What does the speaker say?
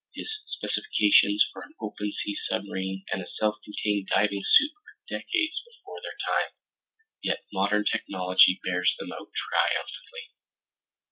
His specifications for an open sea submarine and a self contained diving suit were decades before their time, yet modern technology bears them out triumphantly.